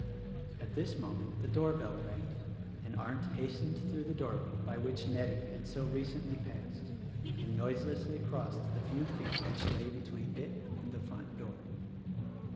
At this moment the doorbell rang, and Arndt hastened through the doorway by which Nettie had so recently passed and noiselessly crossed the few feet which lay between it and the front door.